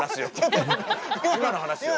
今の話よ！